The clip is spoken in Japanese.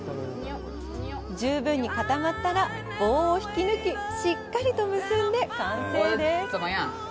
十分に固まったら棒を引き抜き、しっかりと結んで完成です。